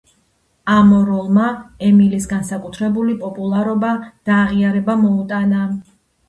ამ როლმა ემილის განსაკუთრებული პოპულარობა და აღიარება მოუტანა.